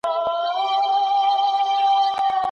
آیا تاسو د ملي تاريخ د ساتنې ضرورت احساس کړی؟